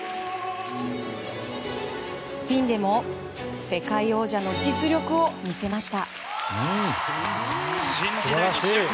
スピンでも世界王者の実力を見せました。